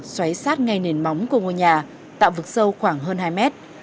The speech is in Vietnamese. xoáy sát ngay nền móng của ngôi nhà tạo vực sâu khoảng hơn hai mét